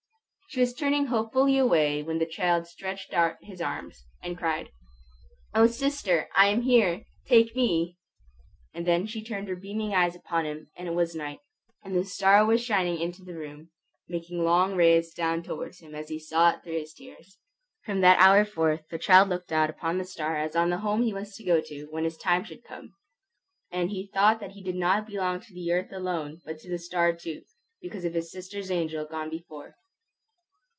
She was turning hopefully away, when the child stretched out his arms, and cried, "O sister, I am here! Take me!" And then she turned her beaming eyes upon him and it was night; and the star was shining into the room, making long rays down towards him as he saw it through his tears. From that hour forth the child looked out upon the star as on the home he was to go to, when his time should come; and he thought that he did not belong to the earth alone, but to the star too, because of his sister's angel gone before.